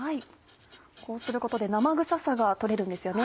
こうすることで生臭さが取れるんですよね。